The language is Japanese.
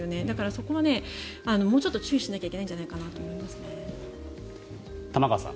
だから、そこはもうちょっと注意しなきゃいけないんじゃないかと思いますね。